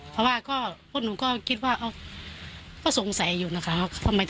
เพราะว่าพวกหนูก็คิดว่าก็สงสัยอยู่นะคะว่า